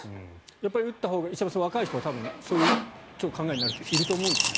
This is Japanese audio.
やっぱり打ったほうが石山さん、若い人はそういう考えになる人いると思うんですね。